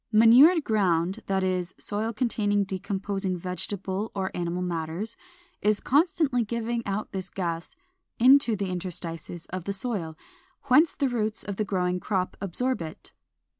Manured ground, that is, soil containing decomposing vegetable or animal matters, is constantly giving out this gas into the interstices of the soil, whence the roots of the growing crop absorb it.